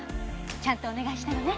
ちゃんとお願いしたのね。